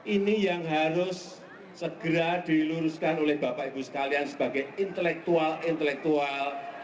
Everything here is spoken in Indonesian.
ini yang harus segera diluruskan oleh bapak ibu sekalian sebagai intelektual intelektual